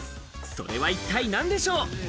それは一体何でしょう？